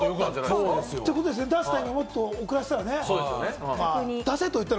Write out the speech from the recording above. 出すタイミングをもっと遅らせたら。